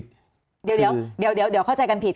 เดี๋ยวเดี๋ยวเดี๋ยวเดี๋ยวเดี๋ยวเข้าใจกันผิด